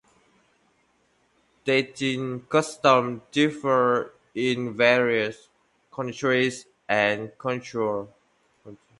Dating customs differ in various countries and cultures.